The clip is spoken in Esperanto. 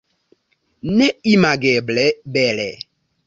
Neimageble bele.